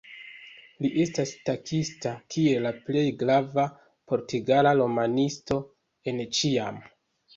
Li estas taksita kiel la plej grava portugala romanisto el ĉiam.